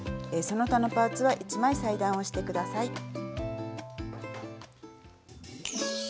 その他のパーツは１枚裁断をして下さい。